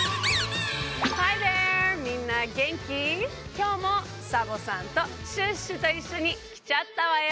きょうもサボさんとシュッシュといっしょにきちゃったわよ！